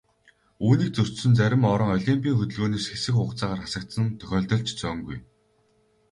Үүнийг зөрчсөн зарим орон олимпын хөдөлгөөнөөс хэсэг хугацаагаар хасагдсан тохиолдол ч цөөнгүй.